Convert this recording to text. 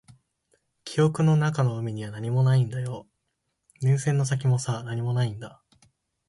記憶の中の海には何もないんだよ。電線の先もさ、何もないんだ。